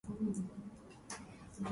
There are also public conveniences.